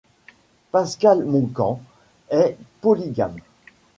Pascal Monkam est polygame.